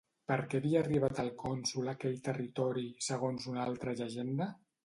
Per què havia arribat el cònsol a aquell territori, segons una altra llegenda?